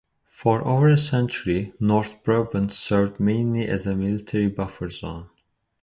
For over a century, North Brabant served mainly as a military buffer zone.